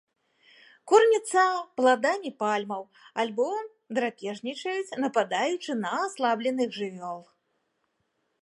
Кормяцца пладамі пальмаў або драпежнічаюць, нападаючы на аслабленых жывёл.